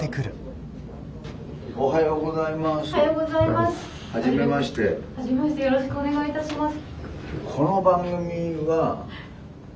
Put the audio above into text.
おはようございます。